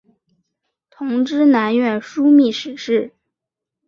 同知南院枢密使事。